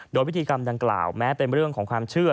โดยพิธีกรรมดังกล่าวแม้เป็นเรื่องของความเชื่อ